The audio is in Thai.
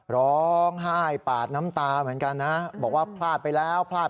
ร้องไห้ปาดน้ำตาเหมือนกันนะบอกว่าพลาดไปแล้วพลาด